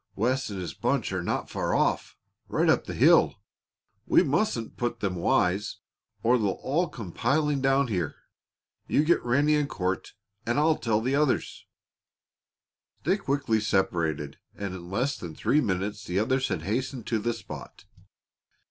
"Wes and his bunch are not far off right up the hill: we mustn't put them wise, or they'll all come piling down here. You get Ranny and Court, and I'll tell the others." They quickly separated, and in less than three minutes the others had hastened to the spot.